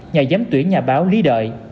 nhà giám tuyển nhà báo lý đợi